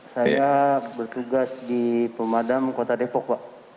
saya bertugas di pemadam kota depok pak